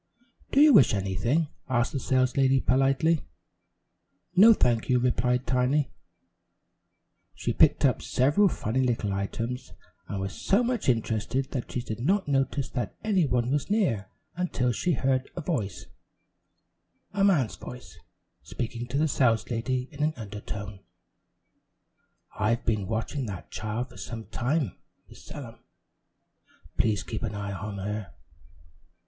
"Do you wish anything?" asked the saleslady politely. "No, thank you," replied Tiny. She picked up several funny little images, and was so much interested that she did not notice that any one was near until she heard a voice, a man's voice, speaking to the saleslady in an undertone: "I've been watching that child for some time, Miss Sellum; please keep an eye on her."